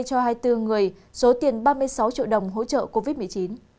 cho hai mươi bốn người số tiền ba mươi sáu triệu đồng hỗ trợ covid một mươi chín